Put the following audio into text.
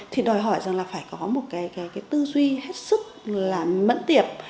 thì đòi hỏi rằng là phải có một cái tư duy hết sức là mẫn tiệp